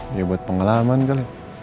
dia buat pengalaman kali